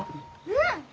うん！